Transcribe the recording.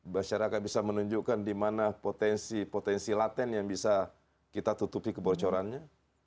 masyarakat bisa menunjukkan dimana potensi potensi laten yang bisa kita tutupi keborcorannya